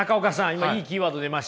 今いいキーワード出ましたね。